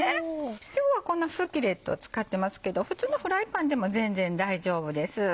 今日はこのスキレットを使ってますけど普通のフライパンでも全然大丈夫です。